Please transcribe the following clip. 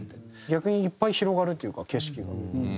逆にいっぱい広がるというか景色が。